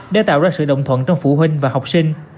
để tạo ra sự đồng thuận trong phụ huynh và học sinh